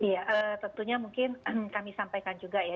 ya tentunya mungkin kami sampaikan juga ya